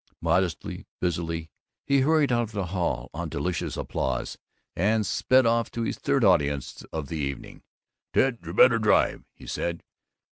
Modestly, busily, he hurried out of the hall on delicious applause, and sped off to his third audience of the evening. "Ted, you better drive," he said.